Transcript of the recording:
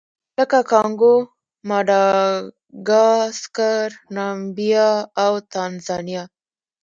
لکه کانګو، ماداګاسکار، نامبیا او تانزانیا.